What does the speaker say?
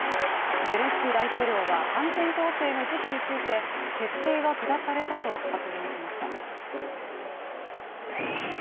ゼレンスキー大統領は反転攻勢の時期について決定は下されたと発言しました。